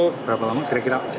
berapa lama kira kira